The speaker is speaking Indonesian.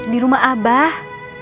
di rumah abah